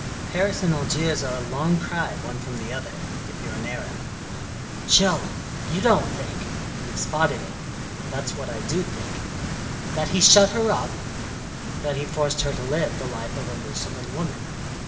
Paris and Algiers are a long cry, one from the other if you're an Arab." "Jove! You don't think " "You've spotted it. That's what I do think." "That he shut her up?" "That he forced her to live the life of a Mussulman woman.